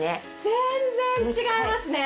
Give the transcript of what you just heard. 全然違いますね！